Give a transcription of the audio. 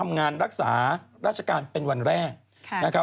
งานรักษาราชการเป็นวันแรกนะครับ